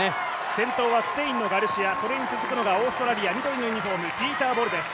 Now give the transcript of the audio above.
先頭はスペインのガルシア、それに続くのがオーストラリア緑のユニフォームピーター・ボルです。